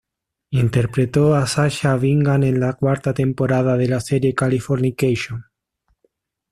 Interpretó a Sasha Bingham en la cuarta temporada de la serie "Californication".